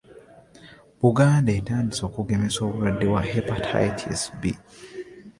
Buganda etandise okugemesa obulwadde bw'ekibumba obwa Hepatitis B